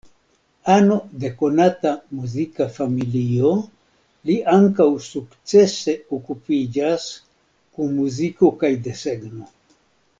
Ano de konata muzika familio, li ankaŭ sukcese okupiĝas kun muziko kaj desegno.